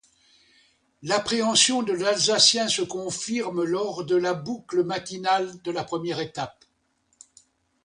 L'appréhension de l'Alsacien se confirme lors de la boucle matinale de la première étape.